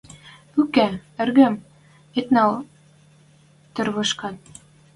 Уке, эргӹм, ит нӓл тӹрвӹшкӓт.